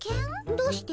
どうして？